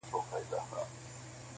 زه منکر نه یمه احسان یې د راتللو منم-